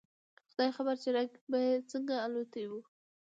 خداى خبر چې رنگ به مې څنګه الوتى و.